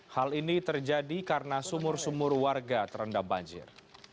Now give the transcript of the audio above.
hal ini terjadi karena sumur sumur warga terendam banjir